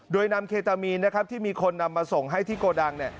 โดยนำเคตามีนที่มีคนนำมาส่งให้ที่โกดัง